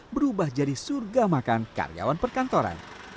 berubah jadi surga makan karyawan perkantoran